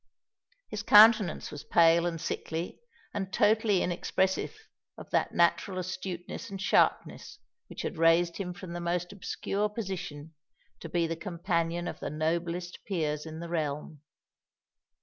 His countenance was pale and sickly, and totally inexpressive of that natural astuteness and sharpness which had raised him from the most obscure position to be the companion of the noblest peers in the realm.